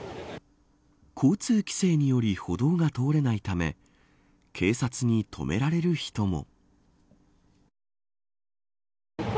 交通規制により歩道が通れないため警察に止められる人も。